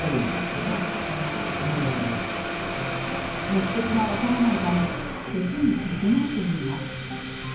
目的が分からないため消すに消せないといいます。